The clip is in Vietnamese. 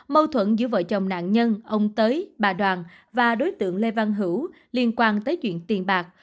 mâu thuẫn giữa vợ chồng nạn nhân ông tới bà đoàn và đối tượng lê văn hữu liên quan tới chuyện tiền bạc